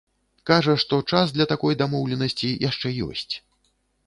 Кажа, што час для такой дамоўленасці яшчэ ёсць.